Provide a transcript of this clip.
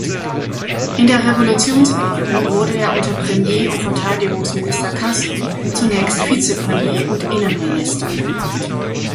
In der Revolutionsregierung wurde er unter Premier- und Verteidigungsminister Qasim zunächst Vizepremier- und Innenminister.